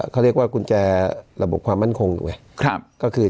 ก็เรียกว่ากุญแจระบบความมั่นคงอยู่ไว้